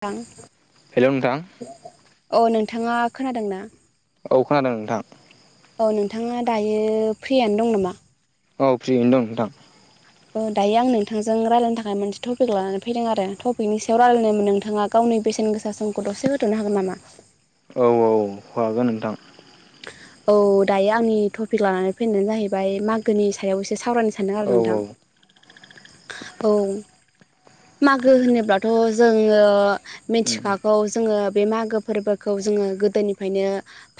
थां हेल' नोंथां अ नोंथाङा खोनादोंना औ खोनादों नोंथां औ नोंथाङा दायो फ्रियानो दं नामा औ फ्रियैनो दं नोंथां औ दायो आं नोंथांजों रायलायनो थाखाय मोनसे टपिक लानानै फैदों आरो टपिकनि सायाव रायलायनो नोंथाङा गावनि बेसेन गोसा समखौ दसे होथ'नो हागोन नामा औ औ हागोन नोंथां औ दायो आंनि टपिक लानानै फैनायानो जाहैबाय मागोनि सायाव इसे सावरायनो सानदों औ आरो औ नोंथां ओ- मागो होनोबाथ' जोङो उम मिथिखागौ जोङो बे मागो फोरबोखौ जोङो गोदोनिफ्रायनो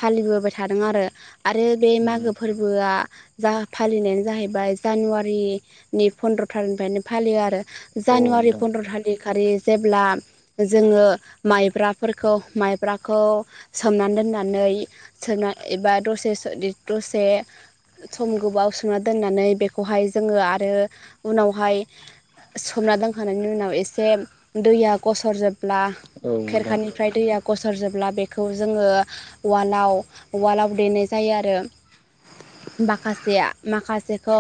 फालिबोबाय थादों आरो आरो बे उम मागो फोरबोआ जा फालिनायानो जाहैबाय जानुवारि नि फन्द्र थारिनिफ्रायनो फालियो आरो औ जानुवारि नोंथां फन्द्र थालि खालि जेब्ला जोङो माइब्राफोरखौ माइब्राखौ सोमनानै दोननानै सोना एबा दसे- दसे सम गोबाव सोनना दोननानै बेखौहाय जोङो आरो उनावहाय सोमना दोनखांनायनि उनाव एसे दैया गसर जोब्ला औ नोंथां खेरखानिफ्राय दैया गसर जोबब्ला बेखौ जोङो उवालाव उवालाव देनाय जायो आरो माखासेआ माखासेखौ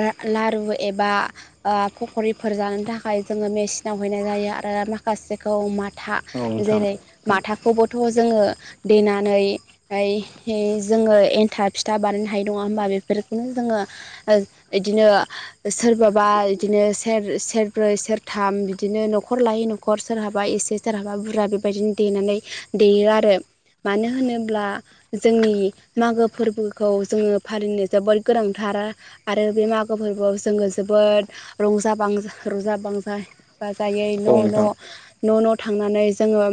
रा लारु एबा आ फखरिफोर जानो थाखाय जोङो मेसिनाव हैनाय जायो आरो माखासेखौ माथा औ नोंथां जेरै माथाखौबोथ' जोङो देनानै ओमफाय हे जोङो एन्थाब फिथा बानायनो हायो नङा होमबा बेफोरखोनो जोङो ओ इदिनो सोरबाबा इदिनो सेर सेरब्रै सेरथाम बिदिनो न'खर लायै न'खर हखर सोरहाबा एसे सोरहाबा बुरजा बेबायदिनो देनानै देयो आरो मानो होनोब्ला जोंनि मागो फोरबोखौ जोङो फालिनो जोबोर गोनांथार। आरो बे मागो फोरबोआव जोङो जोबोद रंजा बांजां रंजा बाजा बाजायै औ न' नोंथां न' न' न' थांनानै जोङो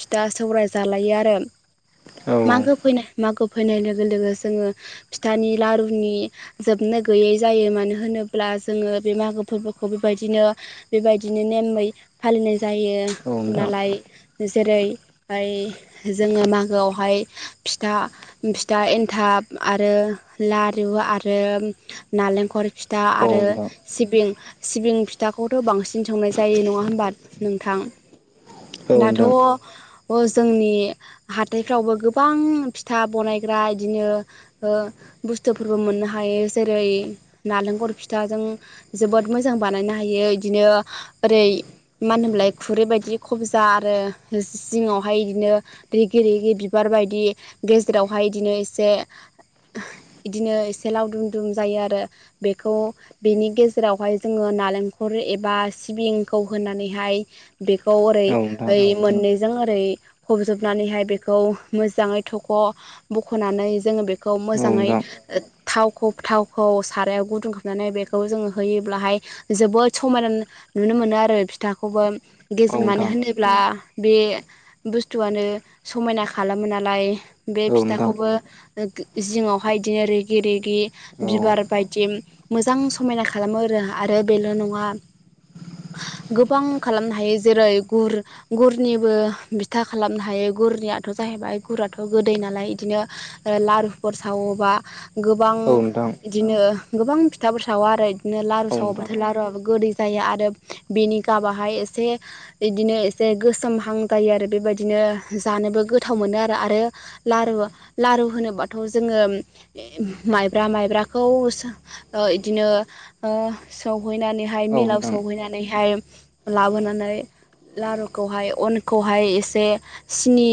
फिथा सौराय जालायो आरो। मागो फैनाय मागो फैनाय लोगो लोगो जोङो फिथानि लारुनि। जोबनो गैयै जायो मानो होनोब्ला जोङो बे मागो फोरबोखौ बेबायदिनो बेबायदिनो नेमै फालिनाय जायो नालाय जेरै हाय जोङो मागोआव हाय फिथा फिथा एन्थाब आरो लारु आरो नालेंखल फिथा औ आरो सिबिं सिबिं फिथाखौथ' बांसिन संनाय जायो नङा होमबा नोंथां? दाथ' नोंथां ओ जोंनि हाथाइ फ्रावबो गोबां फिथा बनायग्रा इदिनो ओ बुस्थुफोरबो मोननो हायो जेरै नालेंखर फिथाजों जोबोद मोजां बानायनो हायो इदिनो ओरै मा होनोमलाय खुरै बायदि खबजा आरो जिङावहाय इदिनो रिगि रिगि। बिबार बायदि गेजेरावहाय इदिनो एसे इदिनो एसे लावदुम दुम जायो आरो बेखौ बेनि गेजेरावहाय जोङो नालेंखर एबा सिबिंखौ होनानैहाय बेखौ ओरै औ नोंथां ओरै मोननैजों ओरै फबजोबनानैहाय बे बेखौ मोजाङै थख' बख'नानै जोङो बेखौ औ नोंथां औ नोंथां औ मोजाङै नोंथां औ नोंथां थावखौ थावखौ सारायाव गुदुं खालामनानै बेखौ जोङो होयोब्लाहाय जोबोद समायना नु नुनो मोनो आरो फिथाखौबो। औ नोंथां औ गेजों मानो होनोब्ला बे बुस्थुआनो समायना खालामो नालाय। बे फिथाखौबो जिङावहाय इदिनो रिगि रिगि बिबार बायदि मोजां समायना खालामो आरो आरो बेल' नङा। गोबां खालामनो हायो जेरै गुर गुरनिबो बिथा खालामनो हायो। गुरनियाथ' जाहैबाय गुराथ' गोदै नालाय इदिनो लारुफोर सावोबा गोबां इदिनो गोबां फिथाफोर सावा आरो इदिनो लारु सावाब्लाथाय लारुआाबबो गोदै जायो आरो बेनि गाबाहाय एसे इदिनो एसे गोसोमहां जायो आरो बेबायदिनो जानोबो गोथाव मोनो आरो आरो लारु लारु होनोबाथ' जोङो ऐ माइब्रा माइब्राखौ सा ओ इदिनो ओ सौहैनानैहाय मिलाव सौहैनानैहाय लाबोनानै लारुखौहाय अनखौहाय एसे। सिनि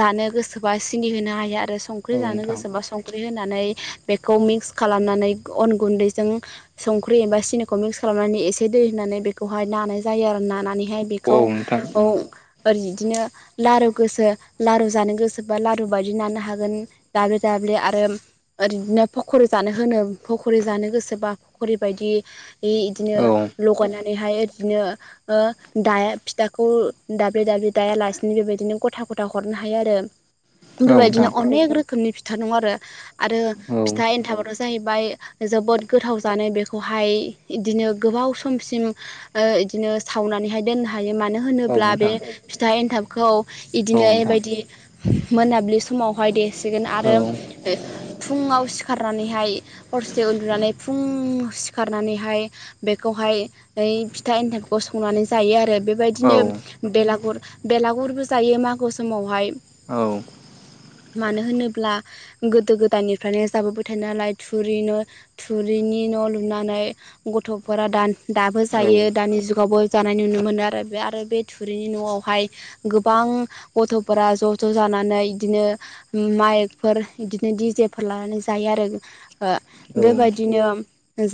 जानो गोसोबा सिनि होनो हायो आरो संख्रि जानो नोंथां गोसोबा स सख्रि होनानै बेखौ मिक्स खालामनानै अन गुन्दैजों। संख्रि एबा सिनिखौ मिक्स खालामनानै एसे दै होनानै बेखौहाय नानाय जायो आरो नानानैहाय। बेखौ औ नोंथां औ ओरै बिदिनो लारु गोसो लारु जानो गोसोबा लारु बायदि नानो हागोन दाब्लि दाब्लि आरो ओरदिनो फखरि जानो होनो फखरि जानो गोसोबा फखरि बायदि इ इदिनो औ लगायनानैहाय इदिनो ओ दाया फिथाखौ दाब्ले दाब्ले दाया लासे बेबायदिनो गथा गथा हरनो हायो आरो बेबायदिनो नोंथां अनेक रोखोमनि फिथा दं आरो‌। आरो औ नोंथां औ नोंथां औ फिथा एन्थाबथ' जाहैबाय जोबोद गोथाव जानो बेखौहाय इदिनो गोबाव समसिम ओ इदिनो सावनानैहाय दोननो हायो मानो औ नोंथां औ होनोब्ला नोंथां औ बे फिथा एन्थाब। खौ इदिनो नोंथां बेबायदि मोनाबिलि समावहाय देसिगोन औ आरो फुङाव सिखारनानैहाय हरसे उन्दुनानै फुं सिखारनानैहाय। बेखौहाय ओमफाय फिथा एन्थामफोरखौ संनानै जायो आरो औ बेबायदिनो बेलागुर बेलागुर। गुरबो जायो मागो समावहाय। औ। मानो होनोब्ला गोदो गोदायनिफ्रायनो जाबोबाय थानाय नालाय थुरिनो'। थुरिनि न' लुनानै। गथ'फोरा द दाबो औ जायो दानि जुगावबो जानाय नुनो मोनो आरो बे आरो बे। थुरिनि न'आवहाय गोबां गथ'फोरा ज' ज' जानानै बिदिनो। माइकफोर बिदिनो दिजेफोर लानानै जायो आरो। ओ बेबायदिनो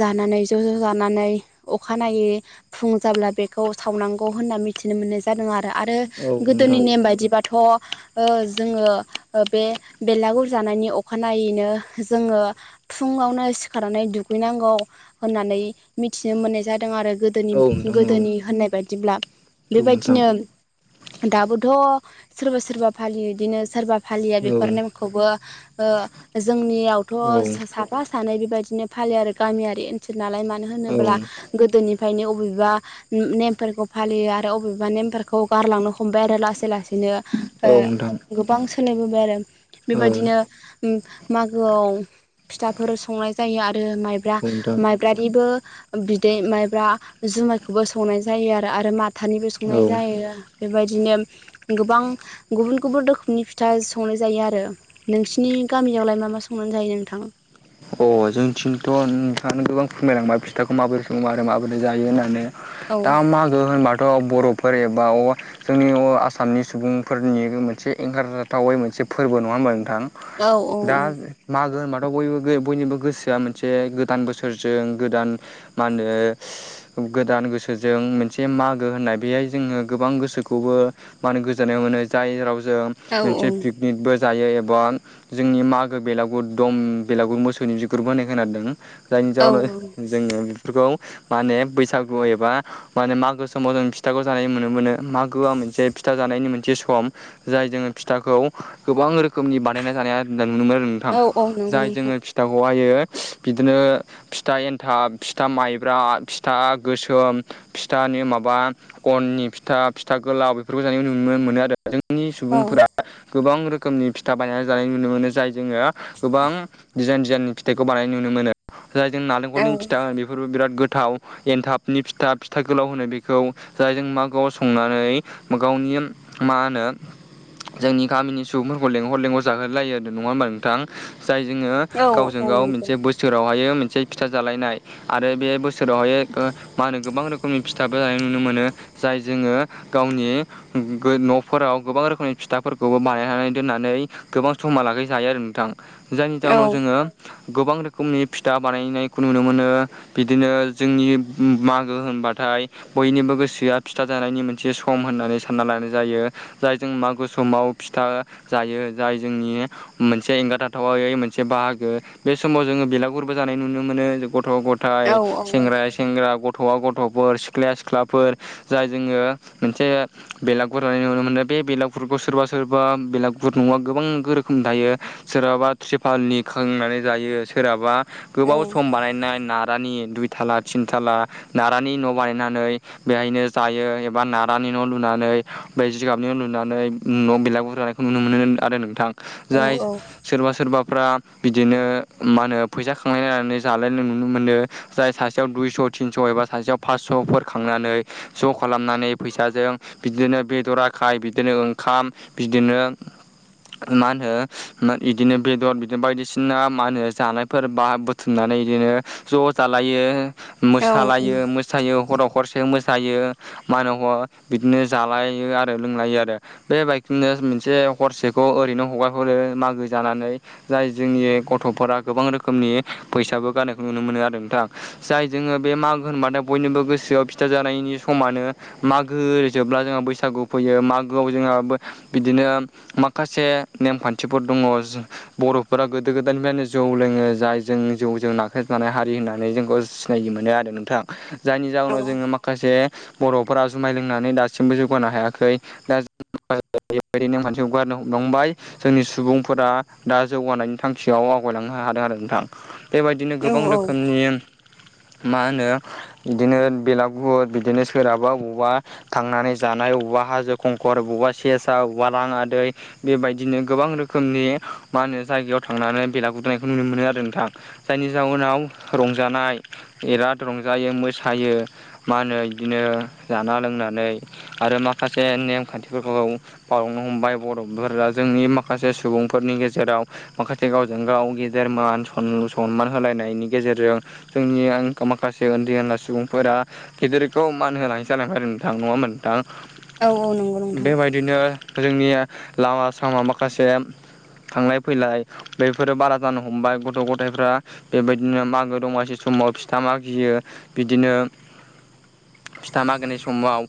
जानानै ज' ज' जानानै अखानायै फुं जाब्ला बेखौ सावनांगौ होनना मिथिनो मोननाय जादों आरो आरो। गोदोनि नोंथां औ नेम बायदिबाथ'। ओ जोङो बे बेलागुर जानायनि अखानायैनो जोङो। फुङावनो सिखारनानै दुगैनांगौ होननानै मिथिनो मोननाय जादों आरो गो गोदोनि नोंथां औ गोदोनि होननाय बायदिब्ला औ नोंथां बेबायदिनो दाबोथ' सोरबा सोरबा फालियो बिदिनो सोरबा फालिया औ बेफोर नेमखौबो ओ जोंनियावथ' साफा सानै बेबायदिनो फालियो आरो गामियारि ओनसोल नालाय मानो औ होनोब्ला। गोदोनिफ्रायनो अबेबा नेमफोरखौ फालियो आरो अबेबा नेमफोरखौ गारलांनो हमबाय आरो लासै लासैनो औ नोंथां गोबां सोलायबोबाय आरो औ बेबायदिनो मागोआव फिथाफोर संनाय जायो आरो माइब्रा नोंथां माइब्रानिबो। बिदै माइब्रा जुमायखौबो संनाय जायो आरो आरो माथानिबो औ संनाय जायो। बेबायदिनो गोबां गुबुन गुबुन रोखोमनि फिथा संनाय जायो आरो। नोंसिनि गामियावलाय मा मा संनानै जायो नोंथां। अ जोंथिंथ' नोंथाङानो गोबां फोरमायलांबाय फिथाखौ माबोरै सङो आरो माबोरै जायो होननानै। औ दा मागो होनबाथ' बर'फोर एबा जोंनि आसामनि सुबुंफोरनि मोनसे एंखारजाथावै मोनसे फोरबो नङा होनोमबा औ नोंथां। दा मागो होनबाथ' बयबो बयनिबो। गोसोआ मोनसे गोदान बोसोरजों गोदान मा होनो। गोदान गोसोजों मोनसे मागो होननाय बेहाय जोङो गोबां गोसोखौबो। मानो गोजोननाय मोनो जाय रावजों। औ मोनसे पिकनिकबो जायो एबा जोंनि मागो बेलागुर दम बेलागुर मोसौनि ग्रप होनोनाय खोनादों जायनि औ जाउोनाव जोङो बेफोरखौ मा होने बैसागु एबा माने मागो समाव जों फिथाखौ जानाय नुनो मोनो मागोआ मोनसे फिथा जानायनि मोनसे सम। जाय जोङो फिथाखौ गोबां रोखोमनि बानायना जानाया नुनो मोनो। गोथां औ औ नंगौ जाय नोंथां जोङो फिथाखौ आयो बिदिनो। फिथा एन्थाब फिथा माइब्रा फिथा गोसोम फिथानि माबा अननि फिथा फिथा गोलााव बेफोरखौ जानायखौ नुनो मोनो आरो जोंनि औ सुबुंफोरा गोबां रोखोमनि फिथा बायनानै जानाय नुनो मोनो जाय। जोङो गोबां दिडिजाइन डिजाइननि फिथाइखौ बानायनाय नुनो मोनो। जायजों औ नालेंखलनि फिथा होन बेफोरबो बिराद गोथाव एनथाब। नि फिथा फिथा गोलाव होनो बेखौ जायजों माागाव संनानै गावनि मा होनो। जोंनि गामिनि सुबुंफोरखौ लेंहर लेंहर जाहोलायो आरो नङा होमबा नोंथां जाय जोङो। गावजों औ गाव नंगौ मोनसे बोसोरावहाय मोनसे फिथा जालायनाय आरो बे बोसोर। सोरबाहाय मा होनो गोबां रोखोमनि फिथाबो जानाय नुनो मोनो जाय जोङो गावनि। न'फोराव गोबां रोखोमनि फिथाफोरखौबो बानायनानै दोननानै गोबां समा लागै जायो आरो नोंथां जायनि औ जाउनाव गोबां रोखोमनि फिथा बानायनायखौ नुनो मोनो बिदिनो जोंनि मागो होनबाथाय बयनिबो गोसोआ फिथााजानायनि मोनसे सम होननानै सानना लानाय जायो जाय जों मागो समाव फिथा जायो जाय जोंनि मोनसे एंगारथाथावैसे एसे बाहागो बे समाव जोङो बिलागुरबो जानाय नुनो मोनो गथ' औ नाथाय औ सेंग्रा सेंग्रा गथ'आ गथ'फोर सिख्ला सिख्लाफोर जाय जोङो मोनसे बेलागुर होनानाय नुनो मोनदों बेलागुरखौ सोरबा सोरबा बेलागुर नङा गोबां गोरो दायो सोरहाबा। फालि खांनानै जायो सोरहाबा औ गोबाव सम बानायनाय ना। नारानि दुइथा थिनथाला नारानि न' बानायनानै। बेहायनो जायो एबा नारानि न' लुनानै ब जिगाबनि न' लुनानै न' बिला गुरजनानै। नुनो मोनो आरो नोंथां जाय औ सोरबा सोरबा फोरा बिदिनो मा होनो फैसा खांलायायनानै जालायनाय नुनो मोनो जाय सासेयाव दुइस' थिनस' एबा सासेयाव फासस'फोर खांनानै ज' खालामनानै फैसाजों बिदिनो बेदर आखाय बिदिनो ओंखाम बिदिनो मा होनो बिदिनो बेदर बिदिनो बायदिसिना मा होनो जानायफोर बा बुथुमनानै बिदिनो ज' जालायो मोसालायो मोसायो हर' हरसे मोसायो। मानो ह बिदिनो जालायो आरो लोंलायो आरो बे बाइकजोंनो मोनसे हरसेखौ ओरैनो हगारहरो मागो जानानै जाय जोंनि गथ'फोरा गोबां रोखोमनि फैसाबो गारनायखौ नुनो मोनो आरो नोंथां जाय जोङो बे मागो होन माद बयनिबो गोसोआव फिथा जानायनि समानो मागो ओरै जोबब्ला जोंहा बैसागु फैयो मागोआव जोंहा बिदिनो माखासे नेमखान्थिफोर दङ बर'फोरा गोदो गोदायनिफ्रायनो जौ लोङो जाय जों जौजों नाख्रेबनानै हारि होननानै जोंखौ नायनो मोनो आरो नोंथां जायनि जाहनाव जोङो माखा माखासे बर'फोरा जुमाय लोंनानै दासिमबो जौगानो हायाखै दा दि नेमखान्थि हगारनो हांबाय जोंनि सुबुंफोरा दा जौगानायनि थांखियाव आवगायलांनो हादों आरो नोंथां बेबायदिनो गोबां रोखोमनि मा होनो बिदिनो बेलागुर बिदिनो सोरहाबा बबावबा थांनानै जानाय औवा हाजो खंखर बबेावबा सेरसा औवा रां आदै बेबायदिनो गोबां रोखोमनि मा होनो जायगायाव थांनानै बेलागुदुंनायखौ नुनो मोनो आरो नोंथां जायनि जाउोनाव रंजानाय। बिराद रंजायो मोसायो मा होनो बिदिनो जाना लोंनानै। आरो माखासे नेमखान्थिफोरखौ बावलांनो हमबाय बर'फोरा जोंनि माखासे सुबुंफोरनि गेजेरा जेराव माखासे गावजों गाव गेदेर मान सन सनमान होलायनायनि गेजेरजों जोंनि माखासे उन्दै उनला सुबुंफोरा गेदेरखौ मान होनानै जालांबाय आरो नोंथां नङा होमबा नोंथां? औ औ नंगौ नोंथां। बिदिनो जोंनि लामा सामा माखासे थांलाय फैलाय बैफोरो बारा जानो हमबाय गथ' गथायफ्रा बेबायदिनो मागो दमासि समाव फिथा माागियो बिदिनो फिथा मागोनि समाव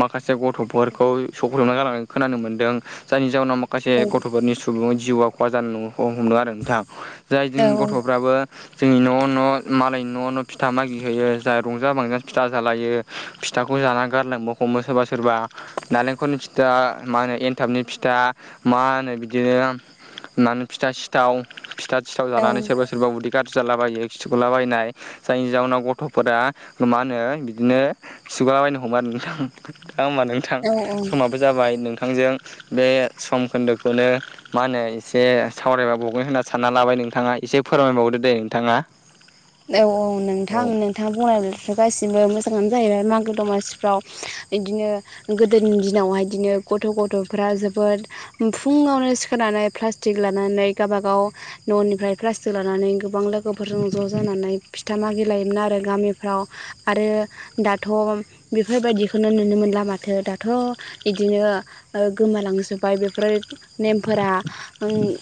माखासे गथ'फोरखौ सफबना गालांनानै खोनानो मोनदों जायनि जाउनाव माखासे औ गथ'फोरनि सुबुं जिउआ खहा जानो हमदों आरो नोंथाङा जाय जोंनि गथ'फ्राबो जोंनि न'आव न' मालायनि न' न' फिथा मागि होयो जाह रंजा बांजानो फिथा जालायो फिथाखौ जाना गारलांनो हमो सोरबा सोरबा। नालेंखलनि फिथा मा होनो एनथाबनि फिथा मा होनो बिदिनो होननानै फिथा सिथाव फिथा सिथाव औ जानानै सोरबा सोर सोरबा उदि गाज्रि जालाबायो खिगुलाबायनाय जायनि जााहनाव गथ'फोरा मा होनो बिदिनो खिगुलाबायनो हमो आरो नोंथां। दा होमबा नोंथां औ औ समाबो जाबाय नोंथांजों बे सम खोन्दोखौनो मा होनो एसे सावरायबाबावगोन होनना सानना लाबाय नोंथाङा एसे फोरमायबावदो दे नोंथाङा। औ औ औ नोंथां नों थां बुंनाय ल' गासिबो मोजाङानो जाहैबाय मागो दमासिफ्राव इदिनो गोदोनि दिनावहाय इदिनो गथ' गथ'फ्रा जोबोद फुङावनो सिखारनानै प्लास्टिक लानानै गाबागाव न'निफ्राय प्लासटिक लानानै गोबां लोगोफोर फोरजों ज' जानानै फिथा मागि लायोमोन आरो गामिफ्राव आरो दाथ' बेफोरबायदिखौनो नुनो मोनला माथो दाथ' इदिनो गोमालांजोबबाय बेफोरो नेमफोरा ओं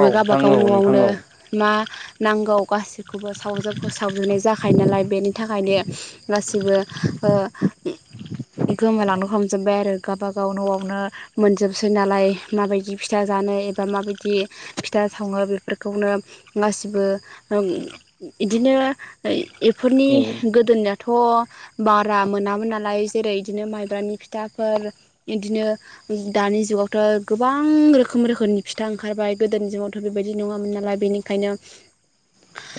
औ नोंथां गाबागाव औ नोंथां न'आवनो औ मा नांगौ गासि खौबो सावजोबखो सावजुबनाय जाखायो नालाय बेनि थाखायनो गासिबो ओ इ गोमालांनो हमजोब्बाय आरो गाबागाव न'आवनो मोनजोबसै नालाय माबायदि फिथा जानो एबा माबायदि फिथा सावो बेफोरखौनो गासिबो ओम इदिनो एफोरनि औ गो दोननायाथ' बारा मोनामोन नालाय जेरै इदिनो माइब्रानि फिथाफोर इदिनो दानि जुगावथ' गोबां रोखोम रोखोमनि फिथा ओंखारबाय गोदोनि जुगावथ' बेबायदि नोङामोन नालाय बेनिखायनो ओंखायनो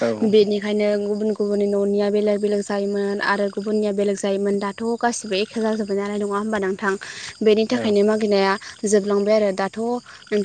औ बेनिखायनो गुबुन गुबुननि न'निया बेलेग बेलेग जायोमोन आरो गुबुननिया बेलेग जायोमोन दा थ' गासिबो एखो जाजोब्बाय नालाय नङा होमबा नों थां बेनि औ थाखायनो मागिनाया जोबलांबाय आरो दाथ' नों